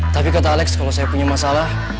tapi kata alex kalau saya punya masalah